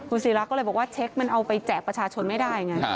ศิราก็เลยบอกว่าเช็คมันเอาไปแจกประชาชนไม่ได้ไง